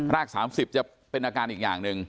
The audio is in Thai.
ก๓๐จะเป็นอาการอีกอย่างหนึ่ง